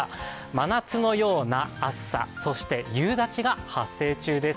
真夏のような暑さ、そして夕立が発生中です。